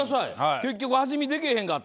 結局味見でけへんかった。